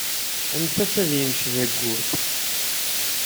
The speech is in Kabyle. Anef-as ad yenced ayyur.